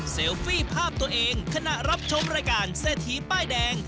ฟี่ภาพตัวเองขณะรับชมรายการเศรษฐีป้ายแดง